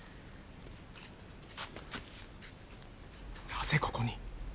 なぜここに？